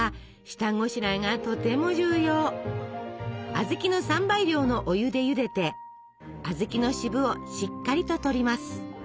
小豆の３倍量のお湯でゆでて小豆の渋をしっかりと取ります。